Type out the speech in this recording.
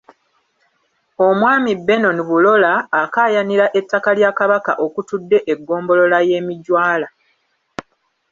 Omwami Benon Bulola akaayanira ettaka lya Kabaka okutudde eggombolola y’e Mijwala